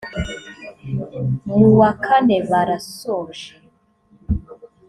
mu wa kane barasoje